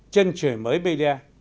trân trời mới bê đa